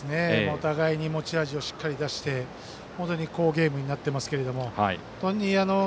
お互いに持ち味をしっかり出して好ゲームになっていますけど。